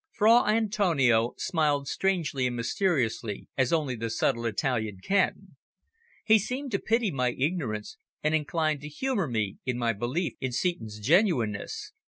Fra Antonio smiled strangely and mysteriously, as only the subtle Italian can. He seemed to pity my ignorance, and inclined to humour me in my belief in Seton's genuineness.